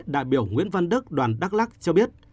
đại biểu nguyễn văn đức đoàn đắk lắc cho biết